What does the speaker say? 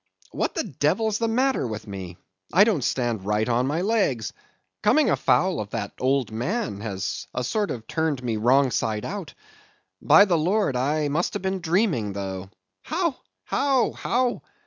What the devil's the matter with me? I don't stand right on my legs. Coming afoul of that old man has a sort of turned me wrong side out. By the Lord, I must have been dreaming, though—How? how?